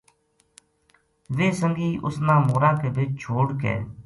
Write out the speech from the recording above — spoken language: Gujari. ویہ سنگی اس نا مورا کے بِچ چھوڈ کے